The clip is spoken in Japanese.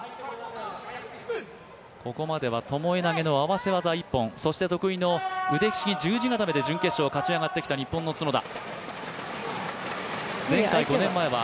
ここまではともえ投げの合わせ技一本、得意の腕ひしぎ十字固めで準決勝を勝ち上がってきた日本の角田。